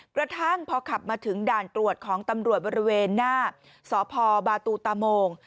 กระทั่งพอขับมาถึงด่านตรวจของตำรวจบริเวณหน้าสพบาตูตาโมง